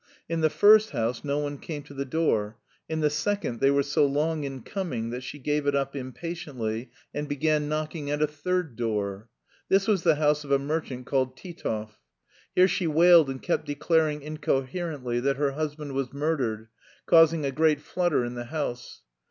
In the first house no one came to the door, in the second they were so long in coming that she gave it up impatiently and began knocking at a third door. This was the house of a merchant called Titov. Here she wailed and kept declaring incoherently that her husband was murdered, causing a great flutter in the house.